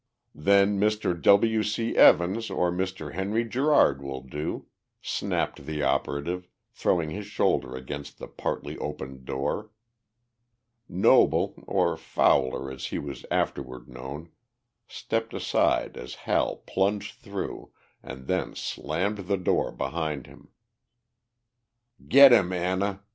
"Then Mr. W. C. Evans or Mr. Henry Gerard will do!" snapped the operative, throwing his shoulder against the partly opened door. Noble or Fowler, as he was afterward known stepped aside as Hal plunged through, and then slammed the door behind him. "Get him, Anna!"